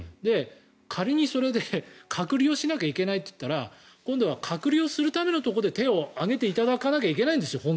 仮にそれで、隔離をしなきゃいけないといったら今度は隔離するためのところで本当は手を挙げていただかなきゃいけないんですよ。